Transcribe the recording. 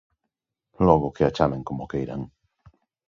Logo que a chamen como queiran.